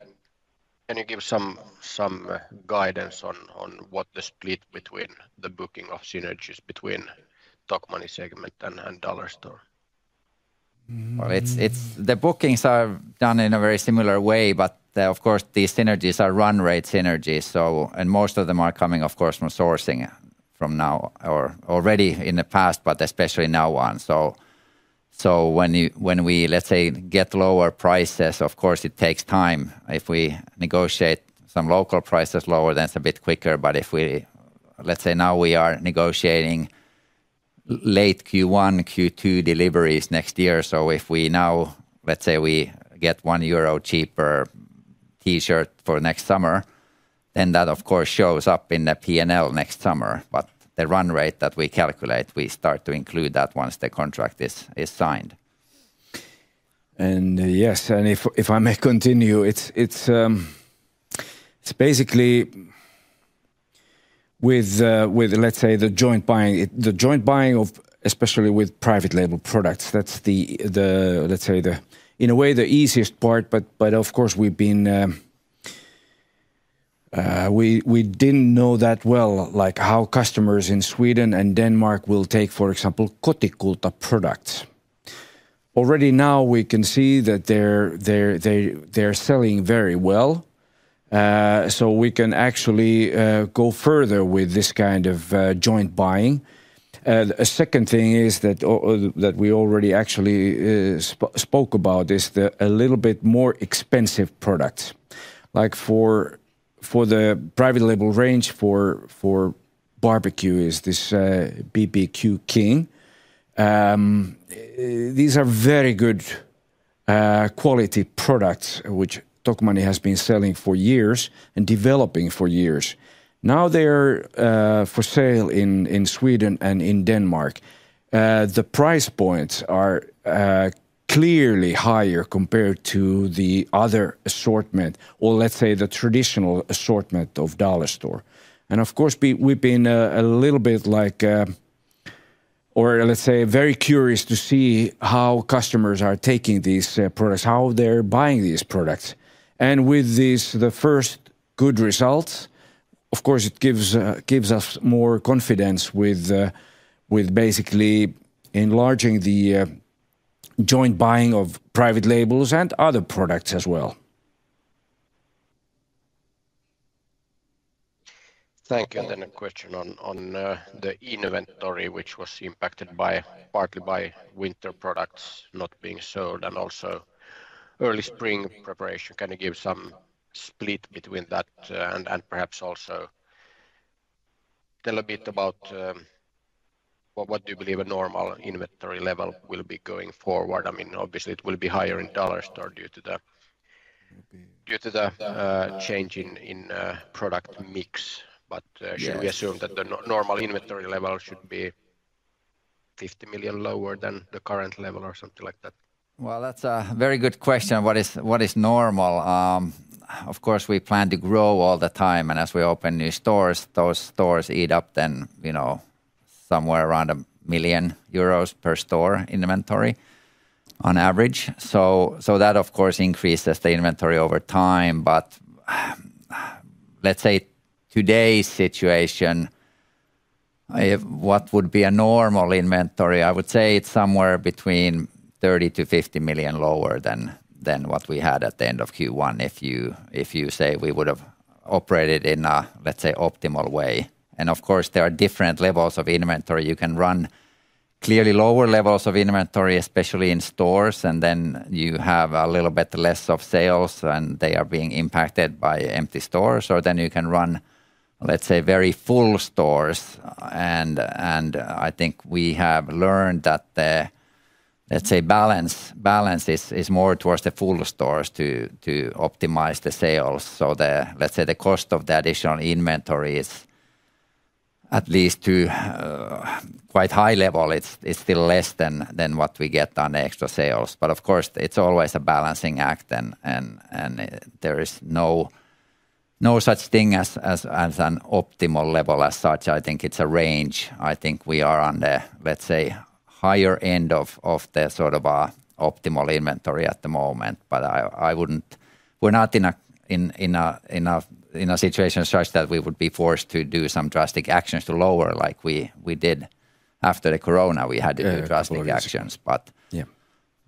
you give some guidance on what the split between the booking of synergies between Tokmanni segment and Dollarstore? The bookings are done in a very similar way, but of course, these synergies are run rate synergies. Most of them are coming, of course, from sourcing from now or already in the past, but especially now on. When we, let's say, get lower prices, of course, it takes time. If we negotiate some local prices lower, then it's a bit quicker. If we, let's say now we are negotiating late Q1, Q2 deliveries next year. If we now, let's say we get 1 euro cheaper T-shirt for next summer, then that, of course, shows up in the P&L next summer. The run rate that we calculate, we start to include that once the contract is signed. Yes, and if I may continue, it's basically with, let's say, the joint buying, the joint buying of especially with private label products. That's the, let's say, in a way, the easiest part. Of course, we didn't know that well, like how customers in Sweden and Denmark will take, for example, Kotikulta products. Already now we can see that they're selling very well. We can actually go further with this kind of joint buying. A second thing is that we already actually spoke about is the a little bit more expensive products. Like for the private label range for barbecue is this Barbeque King. These are very good quality products, which Tokmanni has been selling for years and developing for years. Now they're for sale in Sweden and in Denmark. The price points are clearly higher compared to the other assortment or let's say the traditional assortment of Dollarstore. Of course, we've been a little bit like, or let's say very curious to see how customers are taking these products, how they're buying these products. With the first good results, of course, it gives us more confidence with basically enlarging the joint buying of private labels and other products as well. Thank you. A question on the inventory, which was impacted partly by winter products not being sold and also early spring preparation. Can you give some split between that and perhaps also tell a bit about what do you believe a normal inventory level will be going forward? I mean, obviously it will be higher in Dollarstore due to the change in product mix. Should we assume that the normal inventory level should be 50 million lower than the current level or something like that? That is a very good question. What is normal? Of course, we plan to grow all the time. As we open new stores, those stores eat up then somewhere around 1 million euros per store inventory on average. That, of course, increases the inventory over time. Let's say today's situation, what would be a normal inventory? I would say it's somewhere between 30 million-50 million lower than what we had at the end of Q1 if you say we would have operated in a, let's say, optimal way. Of course, there are different levels of inventory. You can run clearly lower levels of inventory, especially in stores. Then you have a little bit less of sales and they are being impacted by empty stores. You can run, let's say, very full stores. I think we have learned that the, let's say, balance is more towards the full stores to optimize the sales. Let's say the cost of the additional inventory is at least to quite high level. It's still less than what we get on the extra sales. Of course, it's always a balancing act. There is no such thing as an optimal level as such. I think it's a range. I think we are on the, let's say, higher end of the sort of optimal inventory at the moment. But we're not in a situation such that we would be forced to do some drastic actions to lower like we did after the corona. We had to do drastic actions.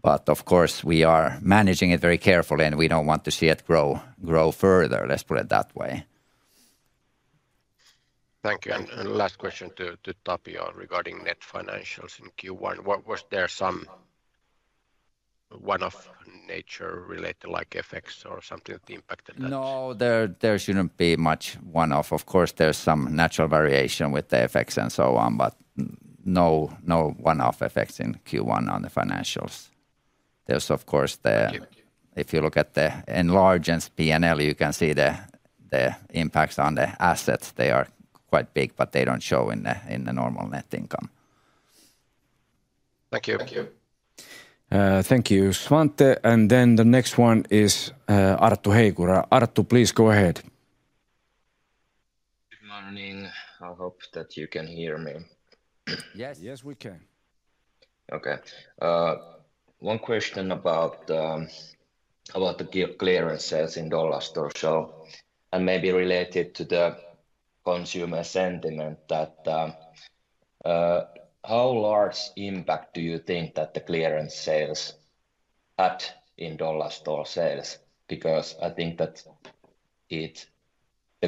But of course, we are managing it very carefully and we don't want to see it grow further, let's put it that way. Thank you. Last question to Tapio regarding net financials in Q1. Was there some one-off nature related like effects or something that impacted that? No, there shouldn't be much one-off. Of course, there's some natural variation with the effects and so on, but no one-off effects in Q1 on the financials. There's, of course, if you look at the enlarged P&L, you can see the impacts on the assets. They are quite big, but they do not show in the normal net income. Thank you. Thank you, Svante. The next one is Arttu Heikura. Arttu, please go ahead. Good morning. I hope that you can hear me. Yes, we can. Okay. One question about the clearance sales in Dollarstore, and maybe related to the consumer sentiment, that how large impact do you think that the clearance sales had in Dollarstore sales? Because I think that the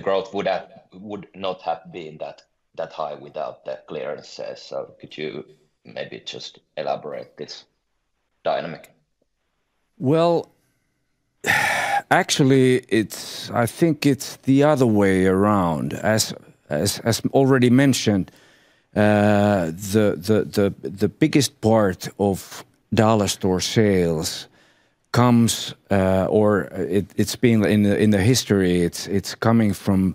growth would not have been that high without the clearance sales. Could you maybe just elaborate this dynamic? Actually, I think it is the other way around. As already mentioned, the biggest part of Dollarstore sales comes, or it has been in the history, it is coming from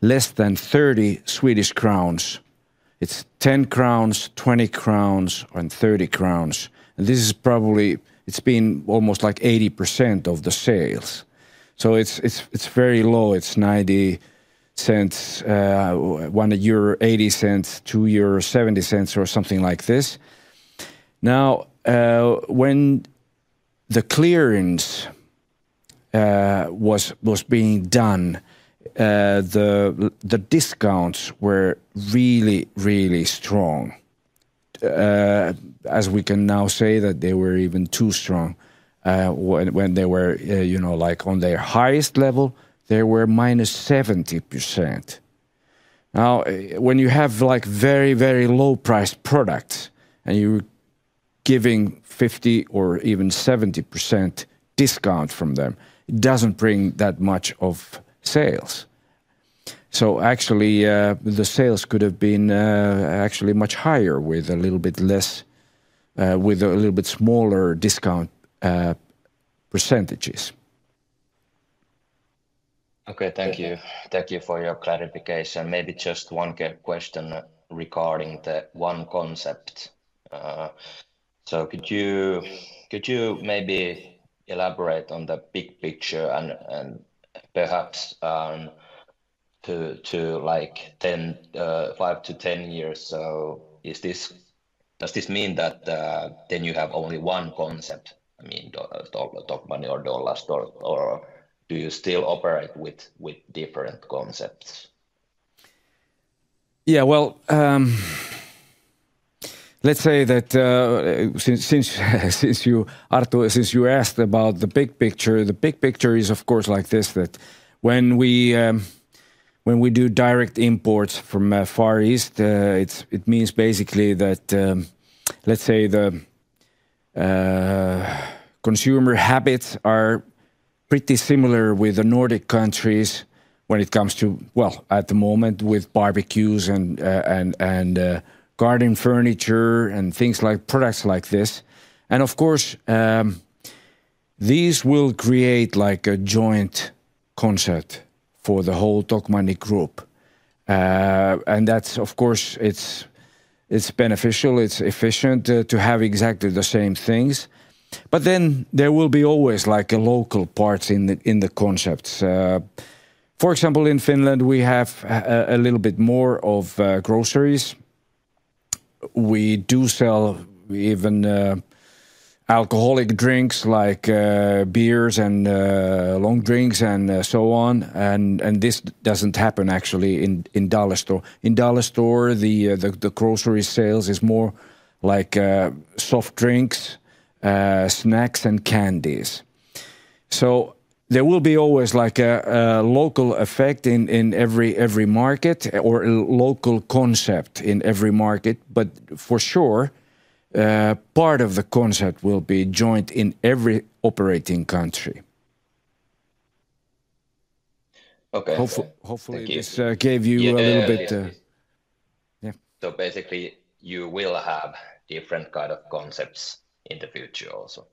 less than 30 Swedish crowns. It is 10 crowns, 20 crowns, and 30 crowns. This is probably, it's been almost like 80% of the sales. It is very low. It is EUR 0.90, one a year, EUR 0.80, two a year, 0.70, or something like this. Now, when the clearance was being done, the discounts were really, really strong. As we can now say that they were even too strong. When they were at their highest level, they were -70%. Now, when you have very, very low priced products and you are giving 50% or even 70% discount from them, it does not bring that much of sales. Actually, the sales could have been much higher with a little bit less, with a little bit smaller discount percentages. Okay, thank you. Thank you for your clarification. Maybe just one question regarding the one concept. Could you maybe elaborate on the big picture and perhaps to like five to ten years? Does this mean that then you have only one concept, I mean, Tokmanni or Dollarstore, or do you still operate with different concepts? Let's say that since you, Arttu, since you asked about the big picture, the big picture is of course like this, that when we do direct imports from Far East, it means basically that, let's say, the consumer habits are pretty similar with the Nordic countries when it comes to, well, at the moment with barbecues and garden furniture and things like products like this. Of course, these will create like a joint concept for the whole Tokmanni Group. That's of course, it's beneficial, it's efficient to have exactly the same things. There will be always like local parts in the concepts. For example, in Finland, we have a little bit more of groceries. We do sell even alcoholic drinks like beers and long drinks and so on. This does not happen actually in Dollarstore. In Dollarstore, the grocery sales is more like soft drinks, snacks, and candies. There will always be a local effect in every market or a local concept in every market. For sure, part of the concept will be joint in every operating country. Okay. Hopefully, this gave you a little bit. Basically, you will have different kind of concepts in the future also.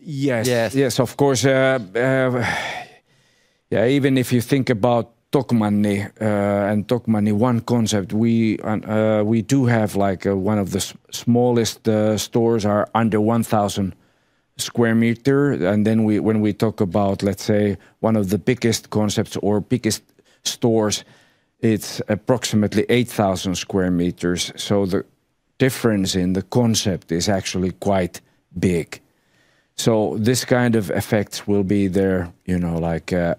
Yes, yes, of course. Yeah, even if you think about Tokmanni and Tokmanni, one concept, we do have like one of the smallest stores are under 1,000 sq m. When we talk about, let's say, one of the biggest concepts or biggest stores, it's approximately 8,000 sq m. The difference in the concept is actually quite big. This kind of effect will be there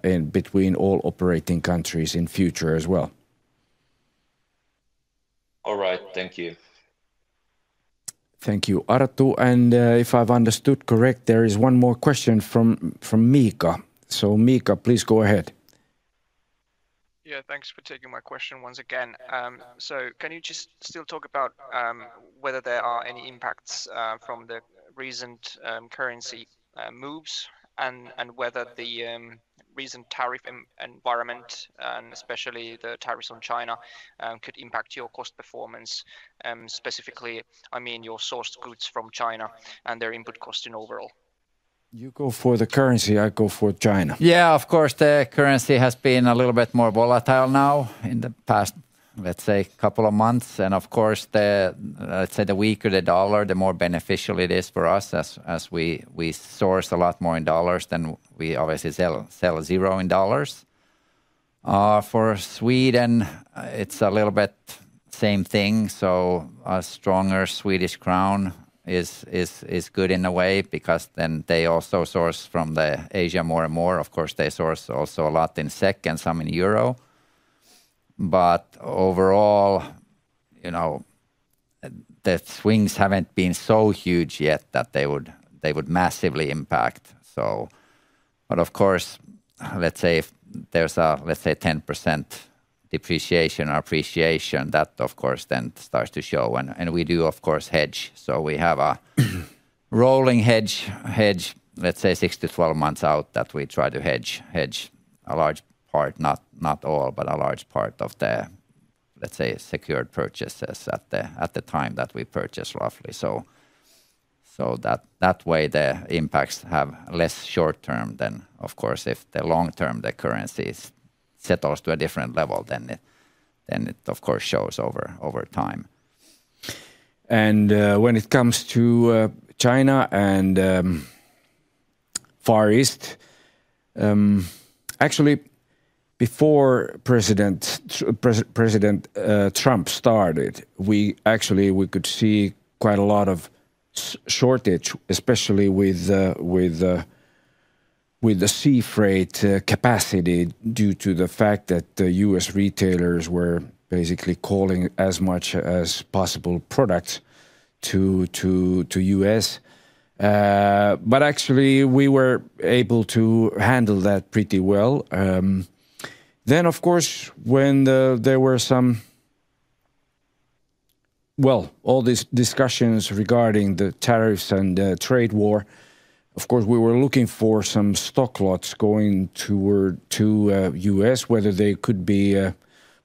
in between all operating countries in future as well. All right, thank you. Thank you, Arttu. If I've understood correct, there is one more question from Miika. Miika, please go ahead. Yeah, thanks for taking my question once again. Can you just still talk about whether there are any impacts from the recent currency moves and whether the recent tariff environment, and especially the tariffs on China, could impact your cost performance? Specifically, I mean your sourced goods from China and their input cost overall? You go for the currency, I go for China. Yeah, of course, the currency has been a little bit more volatile now in the past, let's say, couple of months. Of course, let's say the weaker the dollar, the more beneficial it is for us as we source a lot more in dollars than we obviously sell zero in dollars. For Sweden, it's a little bit same thing. A stronger Swedish krona is good in a way because then they also source from Asia more and more. Of course, they source also a lot in SEK and some in euro. Overall, the swings haven't been so huge yet that they would massively impact. Of course, let's say there's a, let's say, 10% depreciation or appreciation that of course then starts to show. We do, of course, hedge. We have a rolling hedge, let's say six to 12 months out that we try to hedge a large part, not all, but a large part of the, let's say, secured purchases at the time that we purchase roughly. That way the impacts have less short term than, of course, if the long term the currency settles to a different level, then it, of course, shows over time. When it comes to China and Far East, actually before President Trump started, we actually could see quite a lot of shortage, especially with the sea freight capacity due to the fact that the U.S. retailers were basically calling as much as possible products to the U.S. Actually we were able to handle that pretty well. Of course, when there were some, well, all these discussions regarding the tariffs and the trade war, we were looking for some stocklots going toward the U.S., whether they could be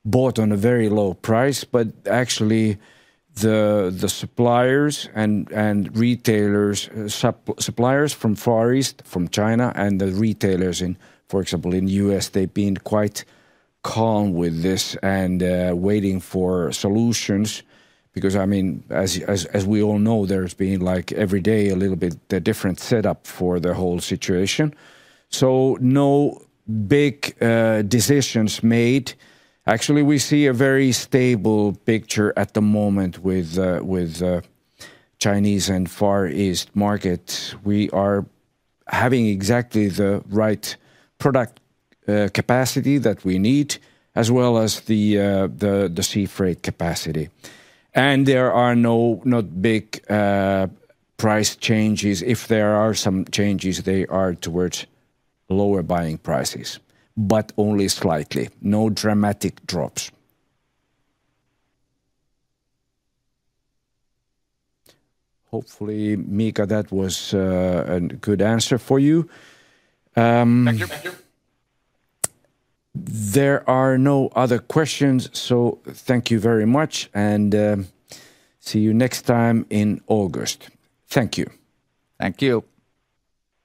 bought at a very low price. Actually, the suppliers and retailers, suppliers from the Far East, from China, and the retailers in, for example, the U.S., they've been quite calm with this and waiting for solutions. I mean, as we all know, there's been like every day a little bit different setup for the whole situation. No big decisions made. Actually, we see a very stable picture at the moment with Chinese and Far East markets. We are having exactly the right product capacity that we need, as well as the sea freight capacity. There are no big price changes. If there are some changes, they are towards lower buying prices, but only slightly. No dramatic drops. Hopefully, Miika, that was a good answer for you. There are no other questions. Thank you very much and see you next time in August. Thank you. Thank you.